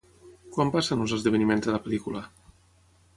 Quan passen els esdeveniments de la pel·lícula?